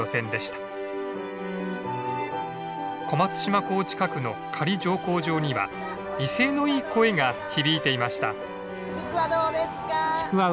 小松島港近くの仮乗降場には威勢のいい声が響いていました。